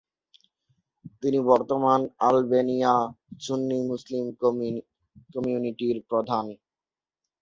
তিনি বর্তমান আলবেনিয়া সুন্নি মুসলিম কমিউনিটির প্রধান।